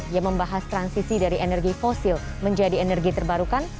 yang membahas transisi dari energi fosil menjadi energi terbarukan